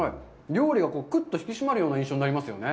料理が、くっと引き締まる印象になりますよね。